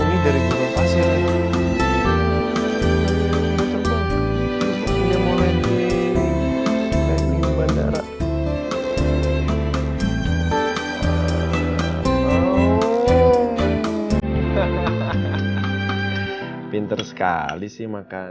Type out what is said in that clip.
ini dari kura pasir